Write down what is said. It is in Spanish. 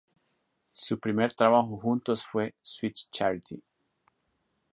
Su primer trabajo juntos fue "Sweet Charity".